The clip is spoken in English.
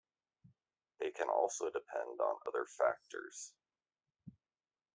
They can also depend on other factors.